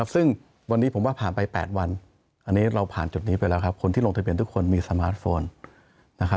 ซึ่งวันนี้ผมว่าผ่านไป๘วันอันนี้เราผ่านจุดนี้ไปแล้วครับคนที่ลงทะเบียนทุกคนมีสมาร์ทโฟน